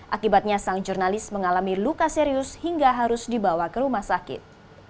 akibatnya sang jurnalis mengalami luka serius hingga harus dibawa ke rumah sakit